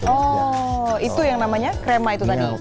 oh itu yang namanya krema itu tadi